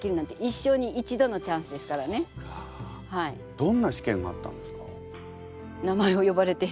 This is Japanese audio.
どんな試験があったんですか？